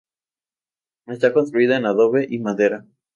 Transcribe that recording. Está construida en adobe y madera.